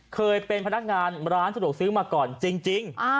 เคยเป็นพนักงานร้านสะดวกซื้อมาก่อนจริง